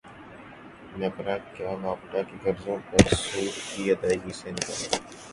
نیپرا کا واپڈا کے قرضوں پر سود کی ادائیگی سے انکار